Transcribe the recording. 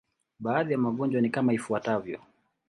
Baadhi ya magonjwa ni kama ifuatavyo.